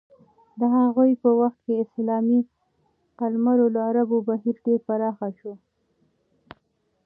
د هغوی په وخت کې اسلامي قلمرو له عربو بهر ډېر پراخ شو.